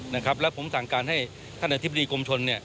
นะครับแล้วผมสั่งการให้ท่านอธิบดีกรมชนเนี่ย